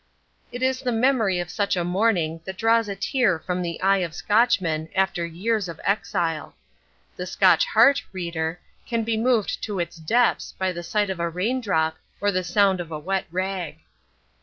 It is the memory of such a morning that draws a tear from the eye of Scotchmen after years of exile. The Scotch heart, reader, can be moved to its depths by the sight of a raindrop or the sound of a wet rag.